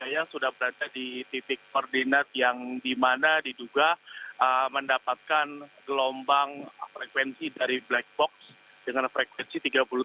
saya sudah berada di titik koordinat yang dimana diduga mendapatkan gelombang frekuensi dari black box dengan frekuensi tiga puluh tujuh